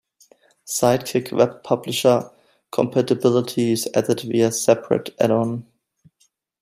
Sidekick Web Publisher compatibility is added via separate add-on.